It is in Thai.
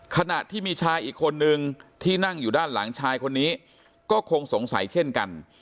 ขณะที่มีชายอีกคนนึงที่นั่งอยู่ด้านหลังชายคนนี้ก็คงสงสัยเช่นกัน